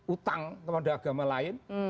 utang kepada agama lain